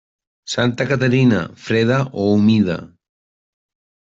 Santa Caterina, freda o humida.